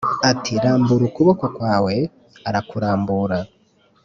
ati Rambura ukuboko kwawe Arakurambura